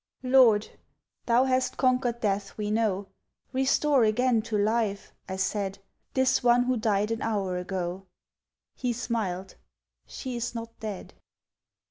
"Lord, Thou hast conquered death we know; Restore again to life," I said, "This one who died an hour ago." He smiled: "She is not dead!"